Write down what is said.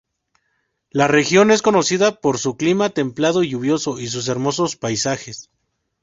La región es conocida por su clima templado y lluvioso y sus hermosos paisajes.